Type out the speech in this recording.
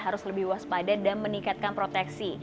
harus lebih waspada dan meningkatkan proteksi